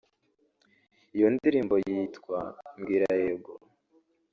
iyo ndirimbo yitwa “Mbwira yego”